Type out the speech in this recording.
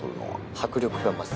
迫力が増す。